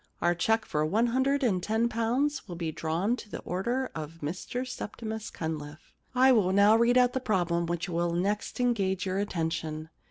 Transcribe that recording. Our cheque for one hundred and ten pounds will be drawn to the order of Mr Septimus Cunliffe. * I will now read out the problem which will next engage your attention.